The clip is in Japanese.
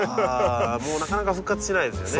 もうなかなか復活しないですよね。